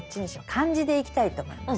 漢字でいきたいと思います。